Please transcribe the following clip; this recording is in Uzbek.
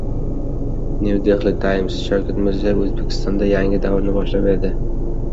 New Delhi Times: Shavkat Mirziyoyev O‘zbekistonda yangi davrni boshlab berdi